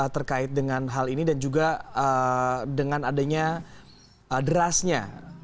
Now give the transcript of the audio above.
terkait dengan hal ini dan juga dengan adanya derasnya